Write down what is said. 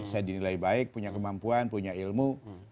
saya dinilai baik punya kemampuan punya ilmu